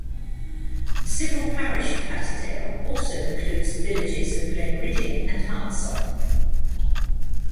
The civil parish of Patterdale also includes the villages of Glenridding and Hartsop.